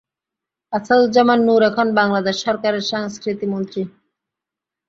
আসাদুজ্জামান নূর এখন বাংলাদেশ সরকারের সংস্কৃতিমন্ত্রী।